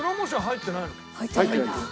入ってないです。